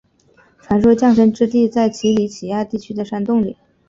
传说降生之地在奇里乞亚地区的山洞里。